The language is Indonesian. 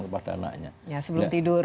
kepada anaknya ya sebelum tidur